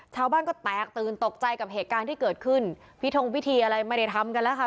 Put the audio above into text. ชาวบ้านก็แตกตื่นตกใจกับเหตุการณ์ที่เกิดขึ้นพิทงพิธีอะไรไม่ได้ทำกันแล้วค่ะ